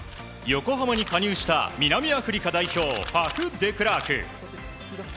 横浜に加入した南アフリカ代表ファフ・デクラーク。